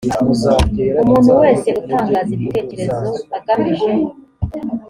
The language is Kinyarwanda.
umuntu wese utangaza ibitekerezo agamije